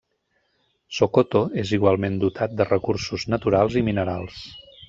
Sokoto és igualment dotat de recursos naturals i minerals.